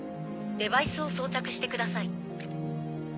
デバイスを装着してください。